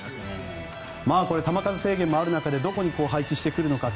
球数制限もある中どこに配置してくるのかなど。